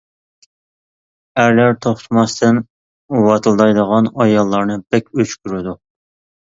ئەرلەر توختىماستىن ۋاتىلدايدىغان ئاياللارنى بەك ئۆچ كۆرىدۇ.